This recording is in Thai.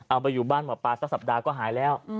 เอาไปอยู่บ้านหมอปลาสักสัปดาห์ก็หายแล้ว